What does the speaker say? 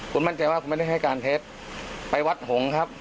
คุณมั่นใจว่าคุณไม่ได้ให้การเท็จไปวัดหงษ์ครับ